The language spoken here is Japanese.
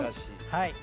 はい。